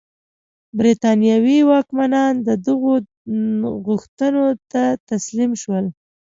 برېټانوي واکمنان دغو غوښتنو ته تسلیم شول.